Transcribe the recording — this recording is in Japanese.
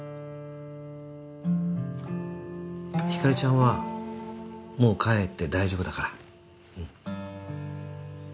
ひかりちゃんはもう帰って大丈夫だからうん。